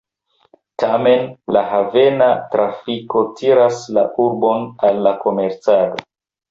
Tamen la havena trafiko tiras la urbon al la komercado.